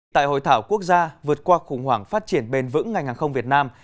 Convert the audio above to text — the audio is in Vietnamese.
tại hội thảo quốc gia vượt qua khủng hoảng phát triển bền vững ngành hàng không việt nam